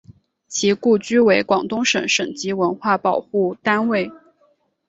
其故居为广东省省级文物保护单位。